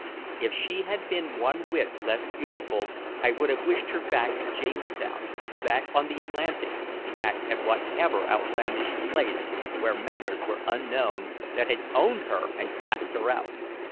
If she had been one whit less beautiful, I would have wished her back at Jamestown, back on the Atlantic, back at whatever outlandish place, where manners were unknown, that had owned her and cast her out.